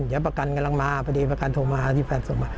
เดี๋ยวประกันกำลังมาพอดีประกันโทรมาที่แฟนส่งมา